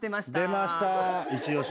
出ました。